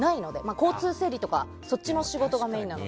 交通整理とかそっちの仕事がメインなので。